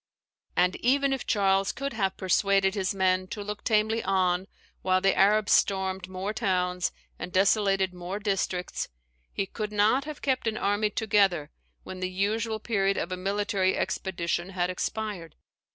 And, even if Charles could have persuaded his men to look tamely on while the Arabs stormed more towns and desolated more districts, he could not have kept an army together when the usual period of a military expedition had expired.